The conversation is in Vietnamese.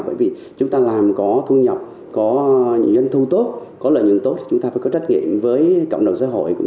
bởi vì chúng ta làm có thu nhập có doanh thu tốt có lợi nhuận tốt chúng ta phải có trách nhiệm với cộng đồng xã hội cũng